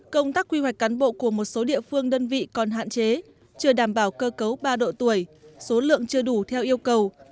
công tác quy hoạch cán bộ của một số địa phương đơn vị còn hạn chế chưa đảm bảo cơ cấu ba độ tuổi số lượng chưa đủ theo yêu cầu